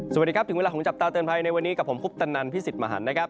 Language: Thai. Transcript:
สวัสดีครับถึงเวลาของจับตาเตือนภัยในวันนี้กับผมคุปตนันพี่สิทธิ์มหันนะครับ